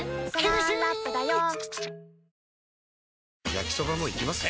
焼きソバもいきます？